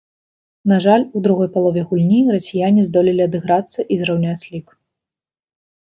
На жаль, у другой палове гульні расіяне здолелі адыграцца і зраўняць лік.